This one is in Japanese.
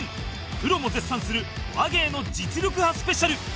プロも絶賛する話芸の実力刃スペシャル